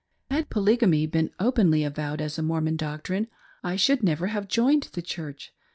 Had polygamy been openly avowed as a Mormon doctrine I should never have joined the Church.